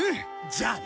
じゃあな。